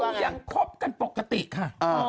ยังคบกันปกติค่ะ